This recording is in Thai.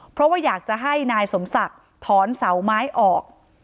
เพราะว่าอยากจะให้นายสมศักดิ์ถอนเสาไม้ออก